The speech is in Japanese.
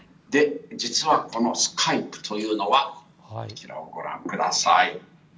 実はこのスカイプというのはこちらをご覧ください。